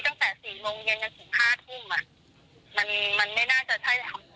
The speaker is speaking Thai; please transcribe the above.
ตั้งแต่สี่โมงเย็นจนถึงห้าทุ่มอ่ะมันมันไม่น่าจะใช่แล้ว